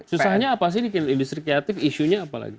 susahnya apa sih bikin industri kreatif isunya apa lagi